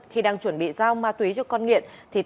khi đang chuẩn bị giao ma túy cho con nghiện